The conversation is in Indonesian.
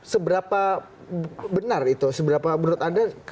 seberapa benar itu seberapa menurut anda